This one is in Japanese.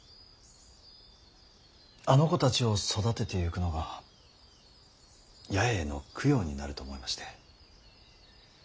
あの子たちを育てていくのが八重への供養になると思いまして。